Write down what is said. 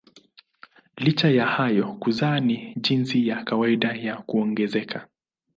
Licha ya hayo kuzaa ni jinsi ya kawaida ya kuongezeka.